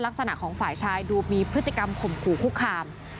ลักษณะของฝ่ายชายดูมีพฤติกรรมข่มขู่คุกคาม